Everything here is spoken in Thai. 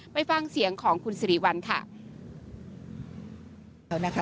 ไปฟังเสียงของคุณสิริวัลค่ะ